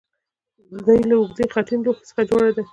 دا له اوږدې خټین لوښي څخه جوړه ده